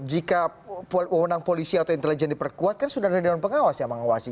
jika unang polisi atau intelijen diperkuat kan sudah ada dewan pengawas yang mengawasi